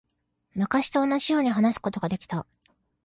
昔と同じように話すことができた。